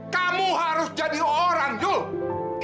kamu harus jadi orang dong